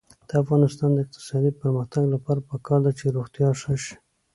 د افغانستان د اقتصادي پرمختګ لپاره پکار ده چې روغتیا ښه شي.